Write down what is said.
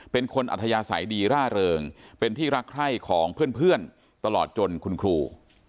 อัธยาศัยดีร่าเริงเป็นที่รักใคร่ของเพื่อนตลอดจนคุณครู